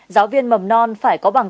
giáo viên mầm non phải có bằng